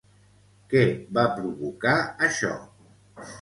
Què va provocar, això?